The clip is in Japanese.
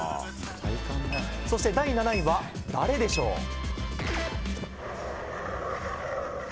そして第７位は、誰でしょう？